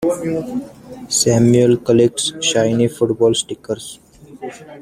Samuel collects shiny football stickers.